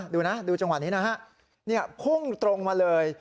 ดูนะดูจังหวะนี้นะฮะพุ่งตรงมาเลย